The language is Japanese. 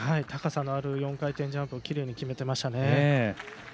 高さのある４回転ジャンプきれいに決めていましたね。